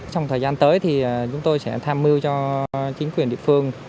trong thời gian tới thì chúng tôi sẽ tham mưu cho chính quyền địa phương